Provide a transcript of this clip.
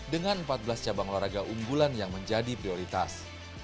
dengan empat belas cabang olahraga unggulan yang menjadi prioritas